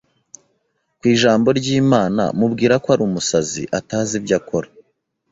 ku ijamba ry’Imana mubwira ko ari umusazi atazi ibyo akora